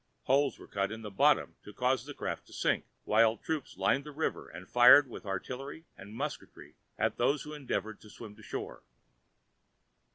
Holes were cut in the bottom to cause the craft to sink, while troops lined the river and fired with artillery and musketry at those who endeavoured to swim to shore.